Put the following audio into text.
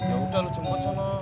ya udah lu jemput sana